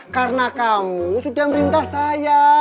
karena kamu sudah merintah saya